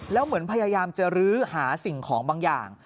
แล้วเหมือนพยายามจะลื้อหาสิ่งของบางอย่าง